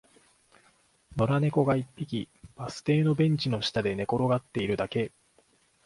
野良猫が一匹、バス停のベンチの下で寝転がっているだけ